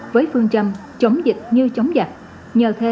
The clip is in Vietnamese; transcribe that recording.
với quy mô ba trăm linh dựng bệnh